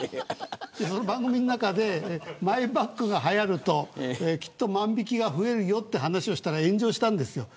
番組の中でマイバッグがはやるときっと万引が増えるよという話をしたら炎上したんです。